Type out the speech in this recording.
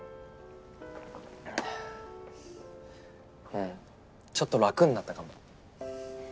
うんちょっと楽になったかも。